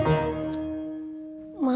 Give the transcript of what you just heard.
ya udah masuk